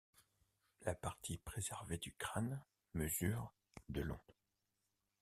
La partie préservée du crâne mesure de long.